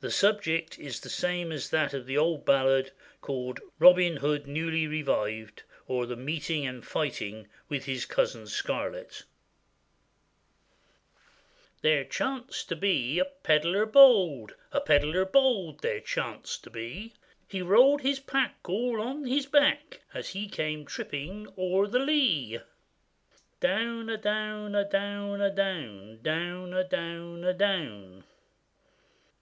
The subject is the same as that of the old ballad called Robin Hood newly revived; or, the Meeting and Fighting with his Cousin Scarlett.] THERE chanced to be a pedlar bold, A pedlar bold he chanced to be; He rolled his pack all on his back, And he came tripping o'er the lee. Down, a down, a down, a down, Down, a down, a down.